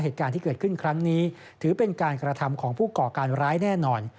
เหตุการณ์ที่เกิดขึ้นครั้งนี้ถือเป็นการกระทำของผู้ก่อการร้ายแน่นอน